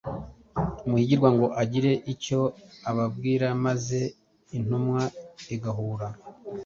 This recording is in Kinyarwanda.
Muhigirwa ngo agire icyo ababwira maze intumwa igahura